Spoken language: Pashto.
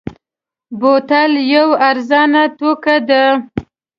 بوتل یو ارزانه توکی دی.